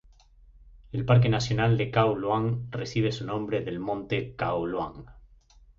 El parque nacional de Khao Luang recibe su nombre del monte Khao Luang.